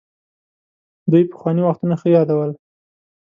دوی پخواني وختونه ښه يادول.